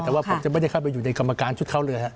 แต่ว่าผมจะไม่ได้เข้าไปอยู่ในกรรมการชุดเขาเลยฮะ